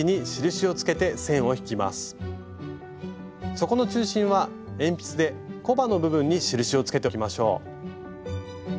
底の中心は鉛筆でコバの部分に印をつけておきましょう。